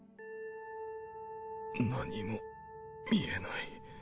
何も見えない